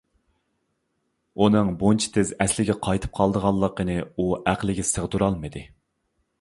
ئۇنىڭ بۇنچە تىز ئەسلىگە قايتىپ قالىدىغانلىقىنى ئۇ ئەقلىگە سىغدۇرالمىدى.